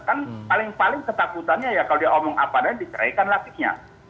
kan paling paling ketakutannya ya kalau dia omong apa adanya diseraikan latihnya